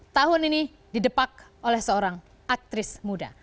tahun ini didepak oleh seorang aktris muda